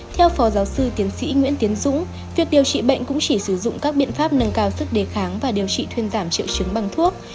theo phó giáo sư tiến sĩ nguyễn tiến dũng việc điều trị bệnh cũng chỉ sử dụng các biện pháp nâng cao sức đề kháng và điều trị thuyên giảm triệu chứng bằng thuốc